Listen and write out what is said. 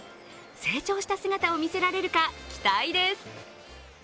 成長した姿を見せられるか、期待です。